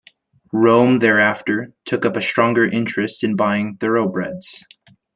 Rome thereafter took up a stronger interest in buying Thoroughbreds.